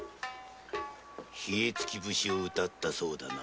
ヒエツキ節を歌ったそうだな。